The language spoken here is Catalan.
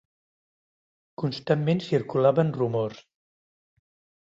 Constantment circulaven rumors